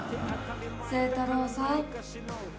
星太郎さん。